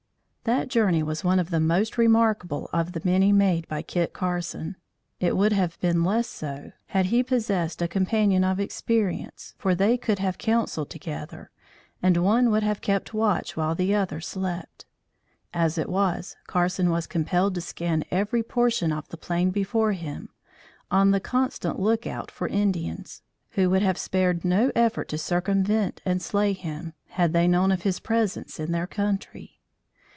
That journey was one of the most remarkable of the many made by Kit Carson. It would have been less so, had he possessed a companion of experience, for they could have counselled together, and one would have kept watch while the other slept. As it was, Carson was compelled to scan every portion of the plain before him, on the constant lookout for Indians, who would have spared no effort to circumvent and slay him, had they known of his presence in their country.